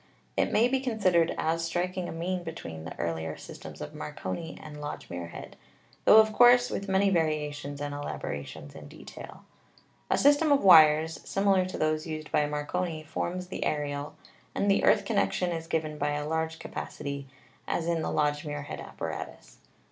It may be considered as striking a mean between the earlier systems of Marconi and Lodge Muirhead, tho of course with many variations and elaborations in detail. A system of wires, similar to those used by Marconi, forms the aerial, and the earth connection is given by a large ca pacity, as in the Lodge Muirhead apparatus.